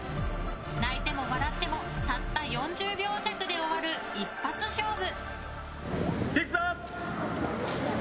泣いても笑ってもたった４０秒弱で終わる一発勝負。